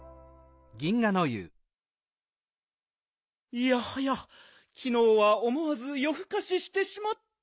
いやはやきのうはおもわずよふかししてしまって。